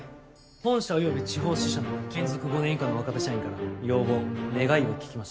本社および地方支社の勤続５年以下の若手社員から要望願いを聞きました。